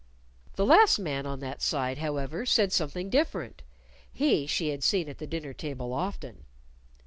The last man on that side, however, said something different. (He, she had seen at the dinner table often.)